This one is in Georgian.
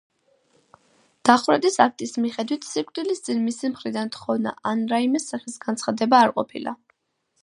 დახვრეტის აქტის მიხედვით სიკვდილის წინ მისი მხრიდან თხოვნა ან რაიმე სახის განცხადება არ ყოფილა.